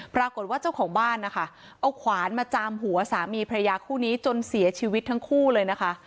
เจ้าของบ้านนะคะเอาขวานมาจามหัวสามีพระยาคู่นี้จนเสียชีวิตทั้งคู่เลยนะคะ